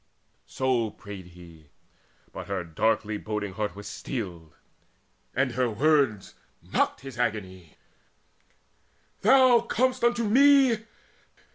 So prayed he; but her darkly brooding heart Was steeled, and her words mocked his agony: "Thou comest unto me!